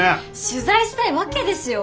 取材したいわけですよ。